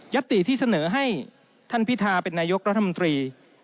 ติที่เสนอให้ท่านพิธาเป็นนายกรัฐมนตรี